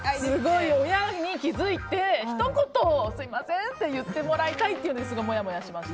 親に気づいてひと言、すみませんって言ってもらいたいというのでもやもやしました。